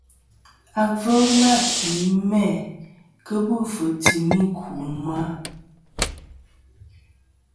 Agvɨl nâ ki mæ kɨ bu timi fɨ̀ ku ma.